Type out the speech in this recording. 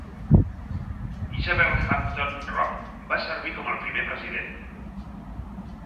Isabel Hampton Robb va servir com el primer president.